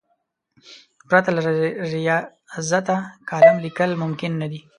پرته له ریاضته کالم لیکل ممکن نه دي.